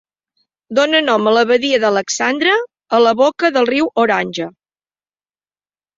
Dona nom a la badia d'Alexandre, a la boca del riu Orange.